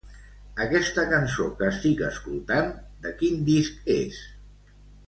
Aquesta cançó que estic escoltant de quin disc és?